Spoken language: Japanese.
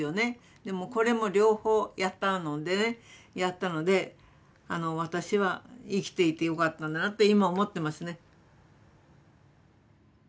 でもこれも両方やったのでねやったので私は生きていてよかったなと今思ってますね。